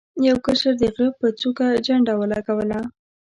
یو کشر د غره په څوکه جنډه ولګوله.